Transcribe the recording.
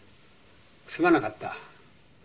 すまなかった」